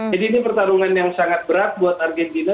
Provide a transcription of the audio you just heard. jadi ini pertarungan yang sangat berat buat argentina